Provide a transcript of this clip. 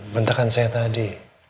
bentarkan saya tadi